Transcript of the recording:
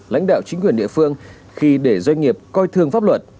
lãnh đạo chính quyền địa phương khi để doanh nghiệp coi thương pháp luật